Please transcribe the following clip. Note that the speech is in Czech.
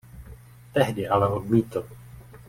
Tehdy ale odmítl.